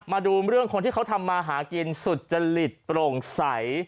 มาดูเรื่องคนที่เขาทำมาหากินสุจริตโปร่งใส